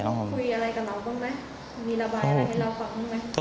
คุยอะไรกับเราบ้างไหมมีระบายอะไรให้เราฟังบ้างไหม